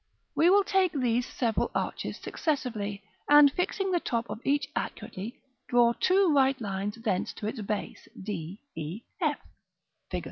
We will take these several arches successively, and fixing the top of each accurately, draw two right lines thence to its base, d, e, f, Fig.